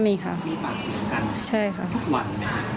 มีปากเสียกัน